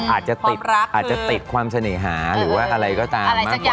อาจจะติดความเสน่หาหรือว่าอะไรก็ตาม